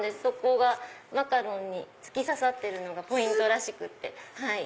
マカロンに突き刺さってるのがポイントらしくて。